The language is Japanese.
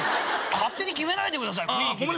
勝手に決めないでください